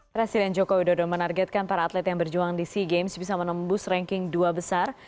presiden joko widodo menargetkan para atlet yang berjuang di sea games bisa menembus ranking dua besar